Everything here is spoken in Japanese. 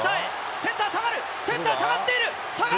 センター下がっている！